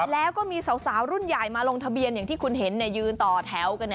แล้วก็มีสาวรุ่นใหญ่มาลงทะเบียนอย่างที่คุณเห็นยืนต่อแถวกัน